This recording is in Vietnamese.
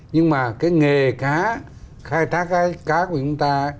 nhưng mà cái nghề cá khai thác cái cá của chúng ta